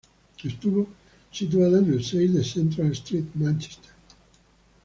Estuvo situada en el seis de Central Street, Manchester.